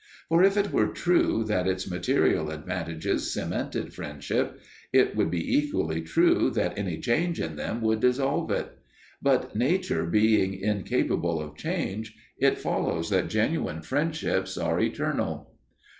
For if it were true that its material advantages cemented friendship, it would be equally true that any change in them would dissolve it. But nature being incapable of change, it follows that genuine friendships are eternal.